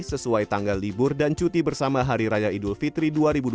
sesuai tanggal libur dan cuti bersama hari raya idul fitri dua ribu dua puluh